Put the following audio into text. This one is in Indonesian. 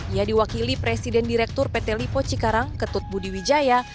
ia diwakili presiden direktur pt lipo cikarang ketut budi wijaya